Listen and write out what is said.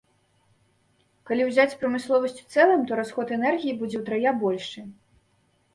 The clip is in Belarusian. Калі ўзяць прамысловасць у цэлым, то расход энергіі будзе утрая большы.